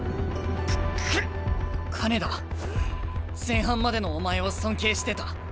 前半までのお前を尊敬してた。